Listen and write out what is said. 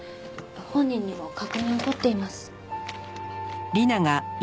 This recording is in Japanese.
本人にも確認を取っています。